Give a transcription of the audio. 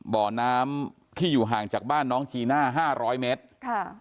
บ่อน้ำที่อยู่ห่างจากบ้านน้องจีน่าห้าร้อยเมตรค่ะ